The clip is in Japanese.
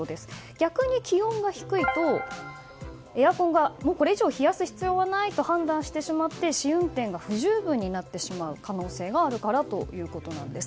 逆に気温が低いとエアコンがこれ以上、冷やす必要がないと判断してしまって試運転が不十分になってしまう可能性があるからということなんです。